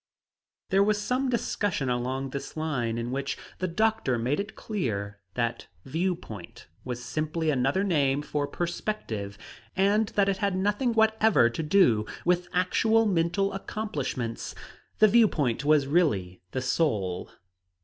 There was some discussion along this line, in which the doctor made it clear that view point was simply another name for perspective, and that it had nothing whatever to do with actual mental accomplishments. The view point was really the soul.